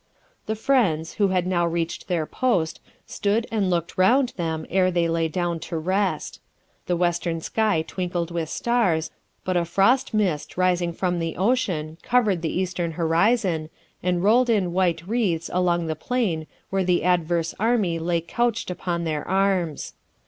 The friends, who had now reached their post, stood and looked round them ere they lay down to rest. The western sky twinkled with stars, but a frost mist, rising from the ocean, covered the eastern horizon, and rolled in white wreaths along the plain where the adverse army lay couched upon their arms.